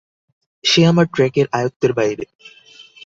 সে আমার ট্র্যাকের আয়ত্তের বাইরে।